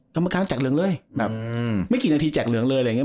กรรมการแจกเหลืองเลยแบบไม่กี่นาทีแจกเหลืองเลยอะไรอย่างนี้